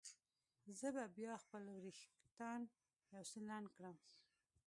زه به بیا خپل وریښتان یو څه لنډ کړم.